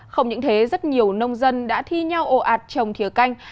không những thế rất nhiều nông dân đã thi nhau ồ ạt trồng thiều canh